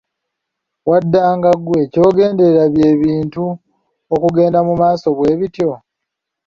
Waddanga ggwe, ky’ogenderera bye bintu okugenda mu maaso bwebityo?